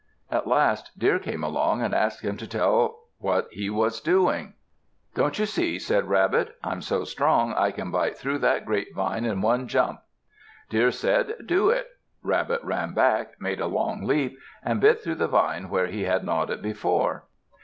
At last Deer came along and asked him to tell what he was doing. "Don't you see?" said Rabbit. "I'm so strong I can bite through that grapevine at one jump." Deer said, "Do it." Rabbit ran back, made a long leap, and bit through the vine where he had gnawed it before.